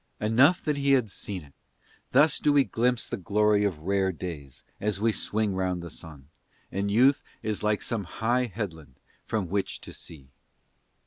Enough that he has seen it. Thus do we glimpse the glory of rare days as we swing round the sun; and youth is like some high headland from which to see.